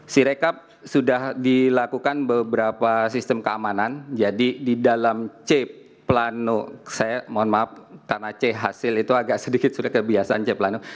sirekap sudah dilakukan beberapa sistem keamanan jadi di dalam c planu saya mohon maaf tanah c hasil itu agak sedikit sudah kebiasaan c planno